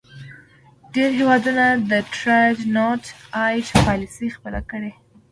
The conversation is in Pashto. ډیری هیوادونو د Trade not aid پالیسي خپله کړې.